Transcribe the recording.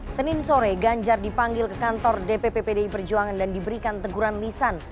senin sore ganjar dipanggil ke kantor dpp pdi perjuangan dan diberikan teguran lisan